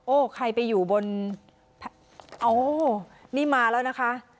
ใครไปอยู่บนโอ้นี่มาแล้วนะคะ